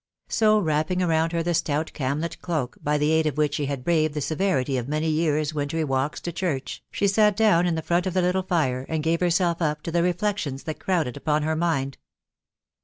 So, wrapping around her the stout camlet cloak, by the aid of which *\xe\wl\Kvre& THE WIDOW BABNABY. 53 the severity of many years' wintry walks to church, she sat down in the front of the little fire, and gave herself up to the reflections that crowded upon her mind.